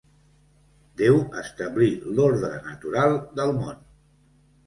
Déu establí l'ordre natural del món.